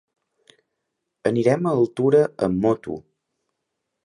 Anirem a Altura amb moto.